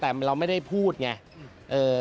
แต่เราไม่ได้พูดไง